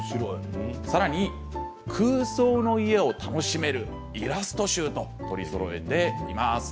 さらに、空想の家を楽しめるイラスト集と取りそろえています。